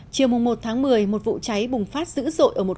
chiều một tháng một mươi một vụ cháy bùng phát dữ dội ở một công an